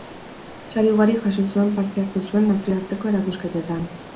Sari ugari jaso zuen parte hartu zuen nazioarteko erakusketetan.